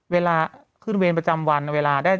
เวลาขึ้นเวรประจำวันเวลาได้